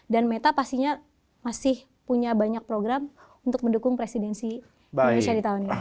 dan meta pastinya masih punya banyak program untuk mendukung presidensi indonesia di tahun ini